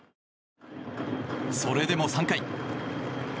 それでも３回。